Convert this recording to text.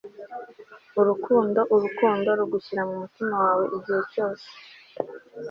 Urukundo urukundo rugushyira mumutima wawe igihe gito